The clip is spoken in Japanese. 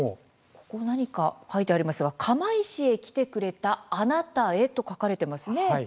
ここ、何か書いてありますが釜石に来てくれたあなたへと書かれていますね。